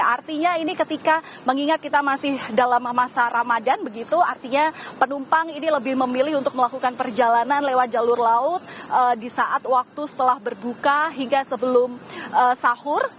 artinya ini ketika mengingat kita masih dalam masa ramadan begitu artinya penumpang ini lebih memilih untuk melakukan perjalanan lewat jalur laut di saat waktu setelah berbuka hingga sebelum sahur